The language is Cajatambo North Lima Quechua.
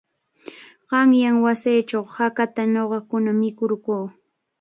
Qanyan wasiichaw hakata ñuqakuna mikurquu.